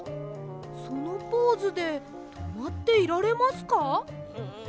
そのポーズでとまっていられますか？